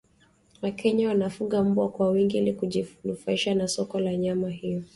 wakenya wanafuga mbwa kwa wingi ili kujinufaisha na soko la nyama hiyo